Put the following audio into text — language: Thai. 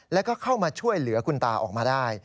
แล้วก็เข้ามาช่วยเหลือคุณตาออกมาได้